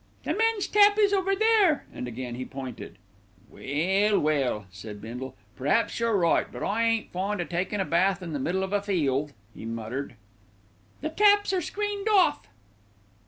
"The men's tap is over there," and again he pointed. "Well, well," said Bindle, "p'raps you're right; but I ain't fond o' takin' a bath in the middle of a field," he muttered. "The taps are screened off."